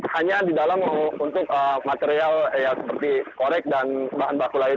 hanya di dalam untuk material seperti korek dan bahan baku lain